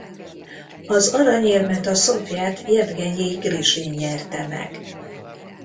Az aranyérmet a szovjet Jevgenyij Grisin nyerte meg.